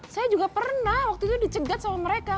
saya juga pernah waktu itu dicegat sama mereka